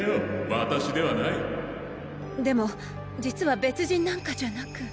私ではないでも実は別人なんかじゃなく。